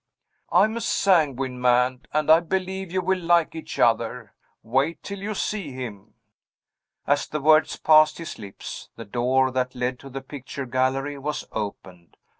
I am a sanguine man, and I believe you will like each other. Wait till you see him." As the words passed his lips, the door that led to the picture gallery was opened.